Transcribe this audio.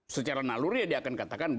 secara naluria dia akan katakan